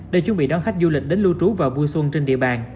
để chuẩn bị đón khách du lịch đến lưu trú và vui xuân trên địa bàn